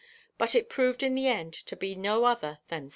but it proved in the end to be no other than